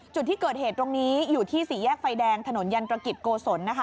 จุดที่เกิดเหตุแน่นอยู่ที่สี่แยกไฟแดงยันตรกิบโกศล